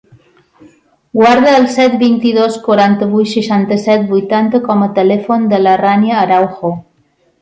Guarda el set, vint-i-dos, quaranta-vuit, seixanta-set, vuitanta com a telèfon de la Rània Araujo.